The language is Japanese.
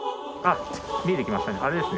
あっ見えてきましたね。